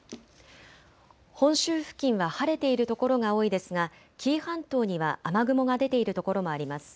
本州付近は晴れている所が多いですが紀伊半島には雨雲が出ている所もあります。